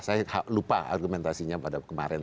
saya lupa argumentasinya pada kemarin